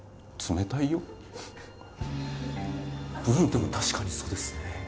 でも確かにそうですね。